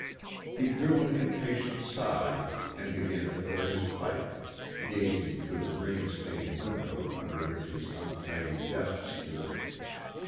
He drew an impatient sigh, and began to fill his pipe, gazing through the rain stained window under which his untidy desk stood.